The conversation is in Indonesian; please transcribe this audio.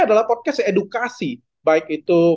adalah podcast edukasi baik itu